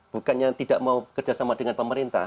bukannya tidak mau kerjasama dengan pemerintah